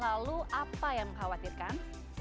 lalu apa yang mengkhawatirkan